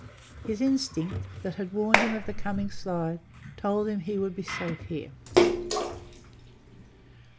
His instinct, that had warned him of the coming slide, told him he would he safe here.